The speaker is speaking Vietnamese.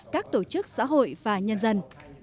các tổ chức xã hội và nhân dân